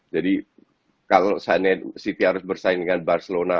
jadi kalau city harus bersaing dengan barcelona